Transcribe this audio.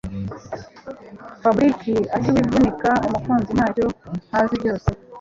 Fabric atiwivunika mukunzi ntacyo ntazi byose